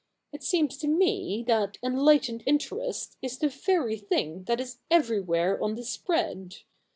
It seems to me that enlightened interest is the very thing that is everywhere on the spread.